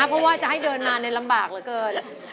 เพราะว่าจะให้เดินมาลำบากเหลือเกิน